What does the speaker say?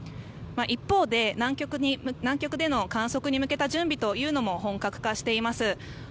一方で南極での観測に向けた準備というのも本格化しています。